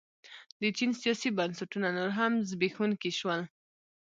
د چین سیاسي بنسټونه نور هم زبېښونکي شول.